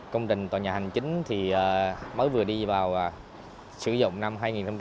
công trình tòa nhà hành chính mới vừa đi vào sử dụng năm hai nghìn một mươi bốn